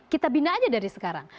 kita bina aja dari sekarang